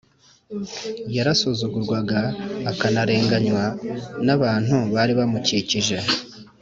Yarasuzugurwaga akanarenganywa n’abantu bari bamukikije.